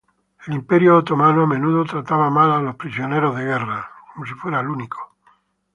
El Imperio Otomano a menudo trataba mal a los prisioneros de guerra.